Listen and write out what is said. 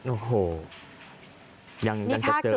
โอ้โหยังจะเจอใช่ไหม